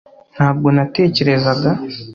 ntabwo natekerezaga